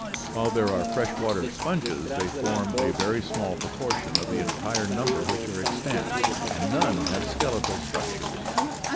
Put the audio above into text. While there are fresh water sponges, they form a very small proportion of the entire number which are extant, and none have skeletal structures.